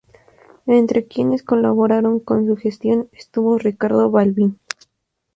Entre quienes colaboraron con su gestión estuvo Ricardo Balbín.